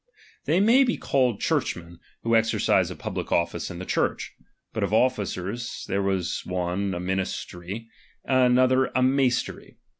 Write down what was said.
They may be called churchmen, who exer cise a public office in the Church. But of offices, there was one a mbtistery, another a maistery.